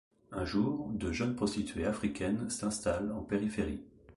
Un jour, de jeunes prostituées africaines s’installent en périphérie.